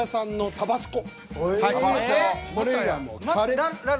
タバスコ。